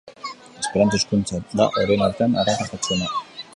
Esperanto hizkuntza da horien artean arrakastatsuena.